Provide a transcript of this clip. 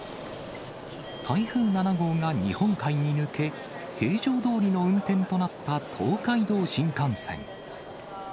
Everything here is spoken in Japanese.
台風７号が日本海に抜け、平常どおりの運転となった東海道新幹線。